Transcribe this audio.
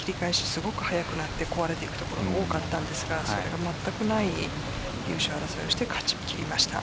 すごく早くなって壊れていくところが多かったんですがそれが全くない優勝争いをして勝ち切りました。